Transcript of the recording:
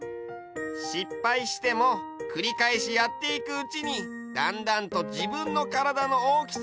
しっぱいしてもくりかえしやっていくうちにだんだんと自分の体の大きさが分かるんだね！